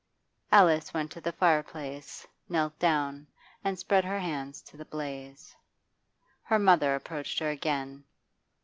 Alice went to the fireplace, knelt down, and spread her hands to the blaze. Her mother approached her again.